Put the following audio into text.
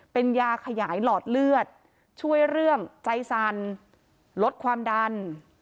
เป็นยาขยายหลอดเลือดช่วยเรื่องใจสั่นลดความดัน